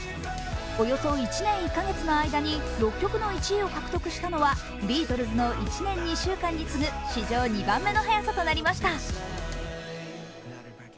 およそ１年１カ月の間に６曲の１位を獲得したのはビートルズの１年２週間に次ぐ史上２番目の早さとなりました。